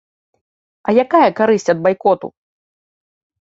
А якая карысць ад байкоту?